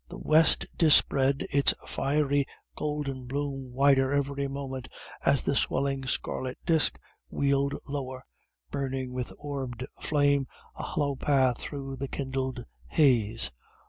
The west dispread its fiery golden bloom wider every moment as the swelling scarlet disc wheeled lower, burning with orbed flame a hollow path through the kindled haze.